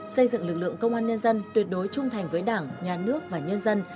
xây dựng lực lượng công an nhân dân tuyệt đối trung thành với đảng nhà nước và nhân dân